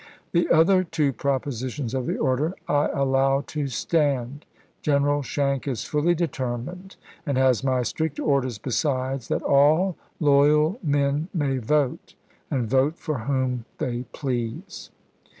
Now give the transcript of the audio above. The other two propositions of the order I allow to Lincoln to staud. General Schenck is fully determined, and has my myv^A^. strict orders besides, that all loyal men may vote, and ^^ vote for whom they please.